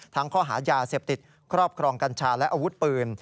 ข้อหายาเสพติดครอบครองกัญชาและอาวุธปืน